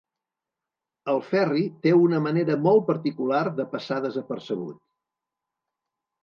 El Ferri té una manera molt particular de passar desapercebut.